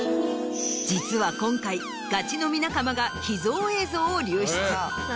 実は今回ガチ飲み仲間が秘蔵映像を流出。